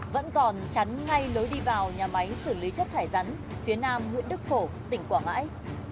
vẫn còn chắn ngay lối đi vào nhà máy xử lý chất thải rắn phía nam huyện đức phổ tỉnh quảng ngãi